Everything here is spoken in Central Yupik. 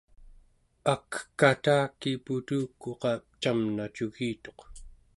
akekataki putukuqa camna cugituq